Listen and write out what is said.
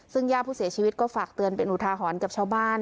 ซึ่งย่าผู้เสียชีวิตก็ฝากเตือนเป็นอุทาหรณ์กับชาวบ้าน